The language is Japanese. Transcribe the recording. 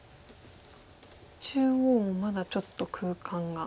中央もまだちょっと空間が。